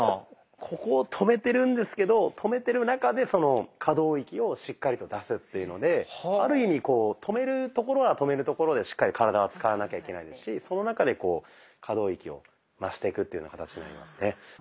ここを止めてるんですけど止めてる中でその可動域をしっかりと出すっていうのである意味止めるところは止めるところでしっかり体は使わなきゃいけないですしその中でこう可動域を増していくっていうふうな形になりますね。